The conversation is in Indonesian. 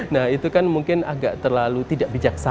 nah itu kan mungkin agak terlalu tidak bijaksana